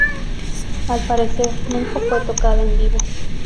Al parecer, nunca fue tocada en vivo.